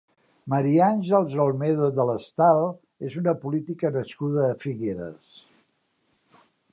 Maria Àngels Olmedo Delestal és una política nascuda a Figueres.